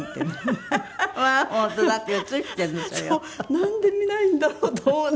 なんで見ないんだろう？と思うんだけど。